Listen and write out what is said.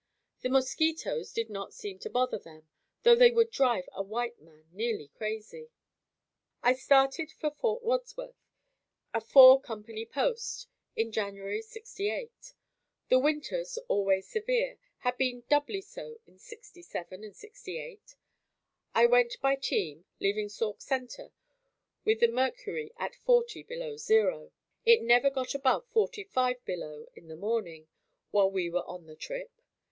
The mosquitoes did not seem to bother them, though they would drive a white man nearly crazy. I started for Fort Wadsworth, a four company post, in January '68. The winters, always severe, had been doubly so in '67 and '68. I went by team, leaving Sauk Center with the mercury at forty below zero. It never got above forty five below in the morning, while we were on the trip.